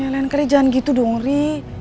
lain kali jangan gitu dong ri